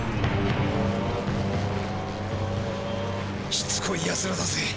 しつこいやつらだぜ。